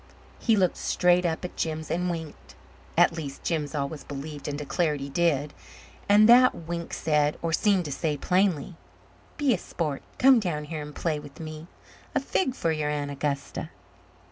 He looked straight up at Jims and winked. At least, Jims always believed and declared he did. And that wink said, or seemed to say, plainly: "Be a sport. Come down here and play with me. A fig for your Aunt Augusta!"